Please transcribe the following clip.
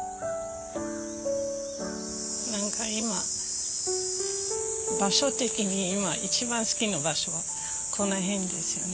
何か今場所的に今一番好きな場所はこの辺ですよね。